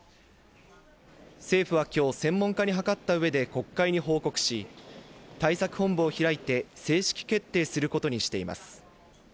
政府は今日、専門家にはかった上で国会に報告し、対策本部を開いて正式決定することにしています。